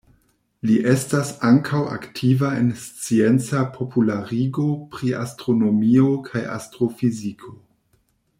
Li estas ankaŭ aktiva en scienca popularigo pri astronomio kaj astrofiziko.